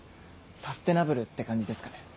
サステナブルって感じですかね。